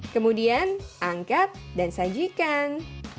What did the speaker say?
kemudian angkat dan sajikan